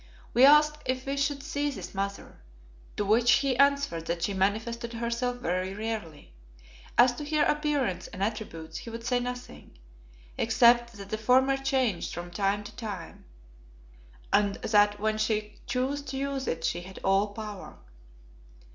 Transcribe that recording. We asked if we should see this Mother, to which he answered that she manifested herself very rarely. As to her appearance and attributes he would say nothing, except that the former changed from time to time and that when she chose to use it she had "all power."